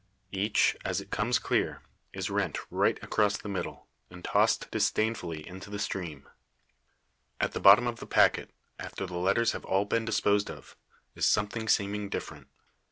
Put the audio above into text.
Each, as it comes clear, is rent right across the middle, and tossed disdainfully into the stream. At the bottom of the packet, after the letters have been all disposed of, is something seeming different.